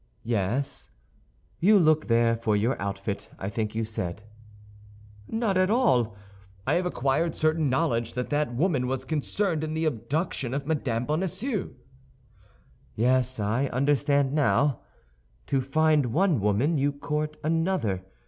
"Yes; you look there for your outfit, I think you said." "Not at all. I have acquired certain knowledge that that woman was concerned in the abduction of Madame Bonacieux." "Yes, I understand now: to find one woman, you court another.